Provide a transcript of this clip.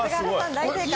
大正解！